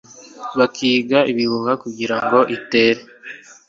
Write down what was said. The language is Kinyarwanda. Bakiga ibihuha kugira ngo itere